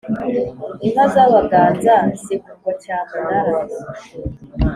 inka z’abaganza zigurwa cyamunara